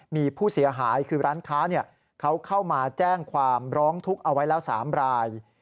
มีผู้เสียหายคือร้านค้าเขาเข้ามาแจ้งความร้องทุกข์เอาไว้แล้ว๓ราย